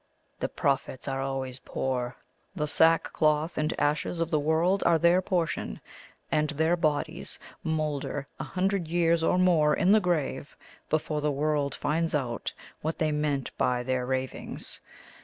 The prophets are always poor the sackcloth and ashes of the world are their portion; and their bodies moulder a hundred years or more in the grave before the world finds out what they meant by their ravings.